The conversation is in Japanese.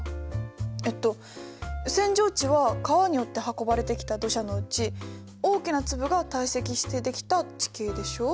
えっと扇状地は川によって運ばれてきた土砂のうち大きな粒が堆積してできた地形でしょ。